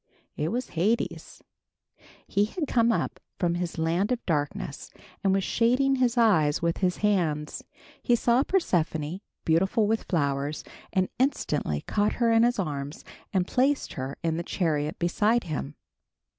It was Hades. He had come up from his land of darkness, and was shading his eyes with his hands. He saw Persephone, beautiful with flowers, and instantly caught her in his arms and placed her in the chariot beside him.